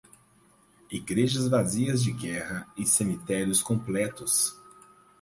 Igrejas vazias de guerra e cemitérios completos.